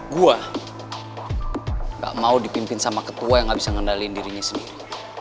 gue gak mau dipimpin sama ketua yang gak bisa ngendali dirinya sendiri